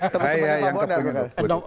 teman teman pak bonar